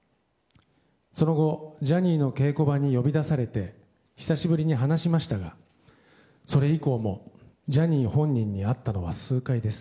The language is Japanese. その後、ジャニーの稽古場に呼び出されて久しぶりに話しましたがそれ以降も、ジャニー本人に会ったのは数回です。